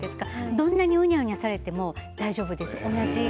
どんなに、うにゃうにゃされても大丈夫です。